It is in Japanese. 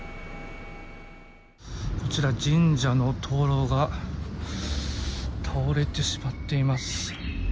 こちら神社の灯籠が倒れてしまっています。